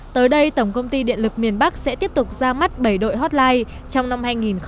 tới đây tổng công ty điện lực miền bắc sẽ tiếp tục ra mắt bảy đội hotline trong năm hai nghìn hai mươi